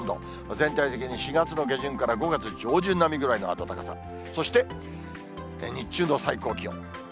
全体的に４月の下旬から５月上旬並みぐらいの暖かさ、そして日中の最高気温。